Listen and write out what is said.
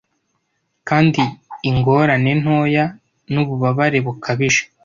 kandi ingorane ntoya nububabare bukabije